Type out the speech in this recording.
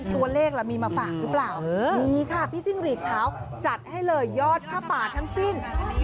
ตัวเลขเรามีมาฝากหรือเปล่ามีค่ะพี่จิ้งหลีดขาวจัดให้เลยยอดผ้าป่าทั้งสิ้น